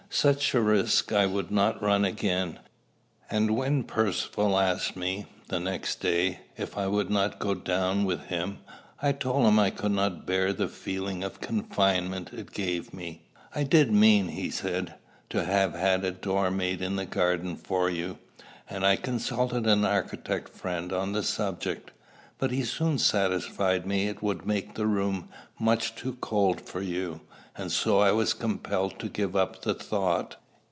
Such a risk I would not run again. And when Percivale asked me, the next day, if I would not go down with him, I told him I could not bear the feeling of confinement it gave me. "I did mean," he said, "to have had a door made into the garden for you, and I consulted an architect friend on the subject; but he soon satisfied me it would make the room much too cold for you, and so I was compelled to give up the thought."